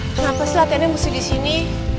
kenapa sih latihannya mesti di sini